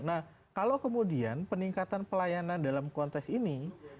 nah kalau kemudian peningkatan pelayanan dalam konteks ini